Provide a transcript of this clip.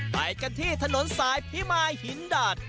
ไปกันที่ถนนสายพิมายหินดาด